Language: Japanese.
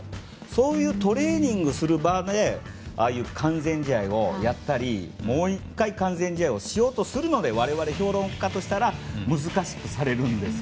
そういうトレーニングする場でああいう完全試合をやったりもう１回完全試合をしようとするので我々評論家としたら難しくされるんです。